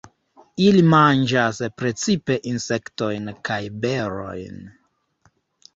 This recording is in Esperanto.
Ili manĝas precipe insektojn kaj berojn.